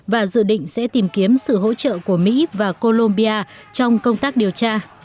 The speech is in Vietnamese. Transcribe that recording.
và dự định sẽ tìm kiếm sự hỗ trợ của mỹ và colombia trong công tác điều tra